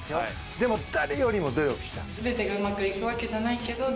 でも誰よりも努力したんです。